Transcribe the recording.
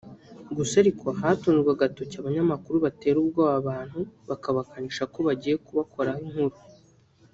Gusa ariko hatunzwe agatoki abanyamakuru batera ubwoba abantu babakangisha ko bagiye kubakoraho inkuru